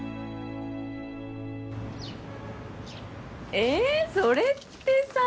えそれってさ。